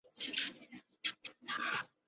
毛叶蕨为膜蕨科毛叶蕨属下的一个种。